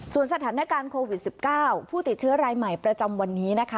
สถานการณ์โควิด๑๙ผู้ติดเชื้อรายใหม่ประจำวันนี้นะคะ